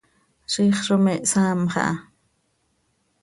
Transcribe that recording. Ziix zo me hsaamx aha.